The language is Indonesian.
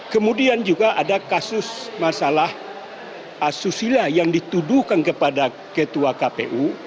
kemudian juga ada kasus masalah asusila yang dituduhkan kepada ketua kpu